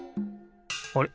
あれ？